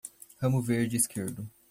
Ramo verde esquerdo